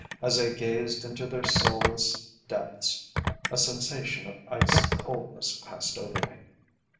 As I gazed into their soulless depths, a sensation of icy coldness passed over me.